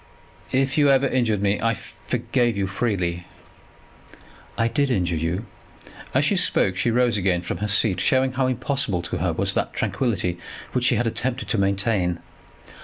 "If you ever injured me, I forgave you freely." "I did injure you " As she spoke she rose again from her seat, showing how impossible to her was that tranquillity which she had attempted to maintain.